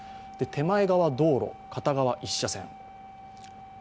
手前側が道路片側１車線。